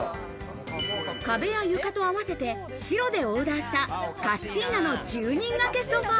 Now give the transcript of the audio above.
壁や床と合わせて、白でオーダーした、カッシーナの１０人掛けソファ。